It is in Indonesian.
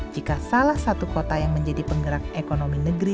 jika salah satu kota yang menjadi penggerak ekonomi negeri